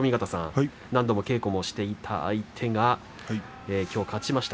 何度も稽古をしていた相手がきょう勝ちました。